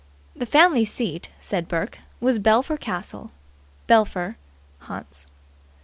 The family seat, said Burke, was Belpher Castle, Belpher, Hants.